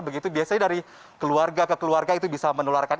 begitu biasanya dari keluarga ke keluarga itu bisa menularkan